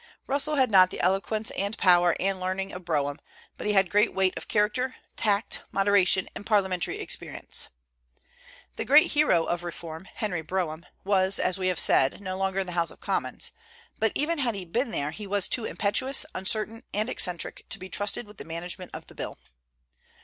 Russell had not the eloquence and power and learning of Brougham; but he had great weight of character, tact, moderation, and parliamentary experience. The great hero of reform, Henry Brougham, was, as we have said, no longer in the House of Commons; but even had he been there he was too impetuous, uncertain, and eccentric to be trusted with the management of the bill.